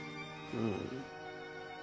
うん。